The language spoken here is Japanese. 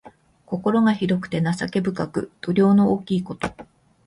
心が広くて情け深く、度量の大きいこと。